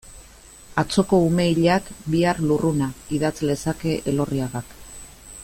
Atzoko ume hilak, bihar lurruna, idatz lezake Elorriagak.